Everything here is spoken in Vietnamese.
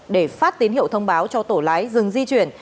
để phát tín hiệu thông báo cho tổ lái dừng di chuyển